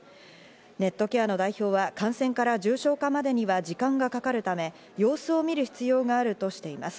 ネットケアの代表は感染から重症化までには時間がかかるため、様子を見る必要があるとしています。